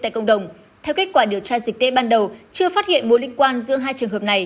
tại cộng đồng theo kết quả điều tra dịch tễ ban đầu chưa phát hiện mối liên quan giữa hai trường hợp này